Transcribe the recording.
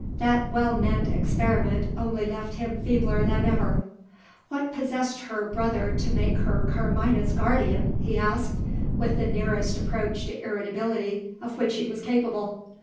That well meant experiment only left him feebler than ever. "What possessed her brother to make her Carmina's guardian?" he asked with the nearest approach to irritability of which he was capable.